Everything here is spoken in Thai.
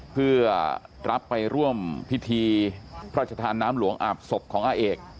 เพื่อรับไปร่วมพิธีพระราชทานน้ำหลวงอาบศพของอาเอก